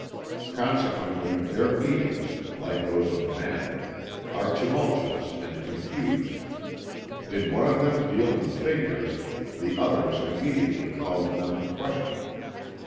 Consequently their meetings, like those of men, are tumultuous and confused. Did one of them deal in figures, the others immediately called them in question.